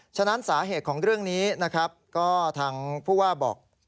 ฉะนั้นสาเหตุของเรื่องนี้นะครับก็ทางผู้ว่าบอก